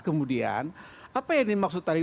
kemudian apa yang dimaksud tadi